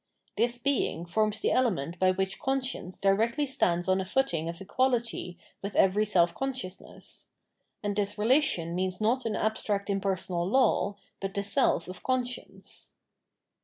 This being forms the element by which con science directly stands on a footing of equality with every self consciousness ; and this relation means not an abstract impersonal law, but the self of conscience.